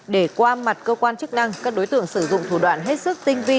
để qua mặt cơ quan chức năng các đối tượng sử dụng thủ đoạn hết sức tinh vi